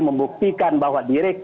membuktikan bahwa diri